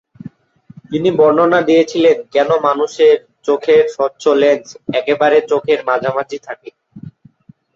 তিনি বর্ণনা দিয়েছিলেন কেন মানুষের চোখের স্বচ্ছ লেন্স একেবারে চোখের মাঝামাঝি থাকে।